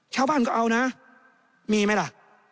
ชาวบ้านก็เอานะมีไหมล่ะ